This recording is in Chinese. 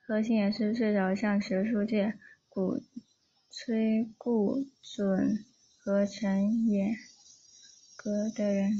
何新也是最早向学术界鼓吹顾准和陈寅恪的人。